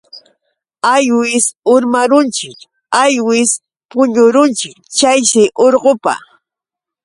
Aywis urmarunchik aywis puñurunchik chayshi urqupa.